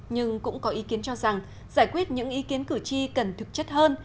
nhưng cũng có ý kiến cho rằng giải quyết những ý kiến cử tri cần thực chất hơn